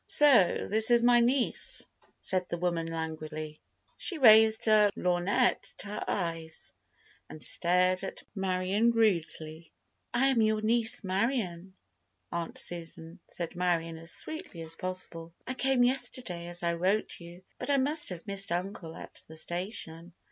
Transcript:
"So this is my niece," said the woman, languidly. She raised a lorgnette to her eyes and stared at Marion rudely. "I am your Niece Marion, Aunt Susan," said Marion as sweetly as possible. "I came yesterday, as I wrote you, but I must have missed uncle at the station."